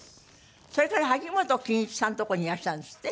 それから萩本欽一さんのとこにいらしたんですって？